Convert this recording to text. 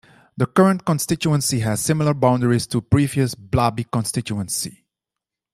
The current constituency has similar boundaries to the previous Blaby constituency.